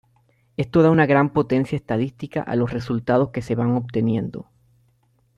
Esto da una gran potencia estadística a los resultados que se van obteniendo.